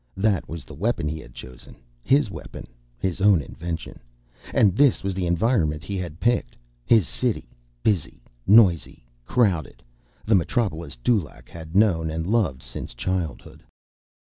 That was the weapon he had chosen, his weapon, his own invention. And this was the environment he had picked: his city, busy, noisy, crowded, the metropolis Dulaq had known and loved since childhood.